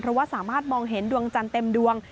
เพราะว่าสามารถมองเห็นดวงจันทร์เต็มดวง